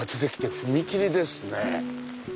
踏切ですね。